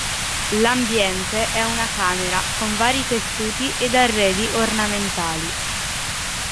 L'ambiente è una camera con vari tessuti ed arredi ornamentali.